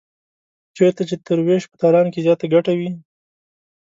چېرته چې تر وېش په تالان کې زیاته ګټه وي.